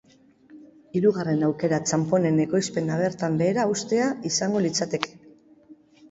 Hirugarren aukera txanponen ekoizpena bertan behera uztea izango litzateke.